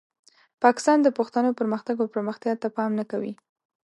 پاکستان د پښتنو پرمختګ او پرمختیا ته پام نه کوي.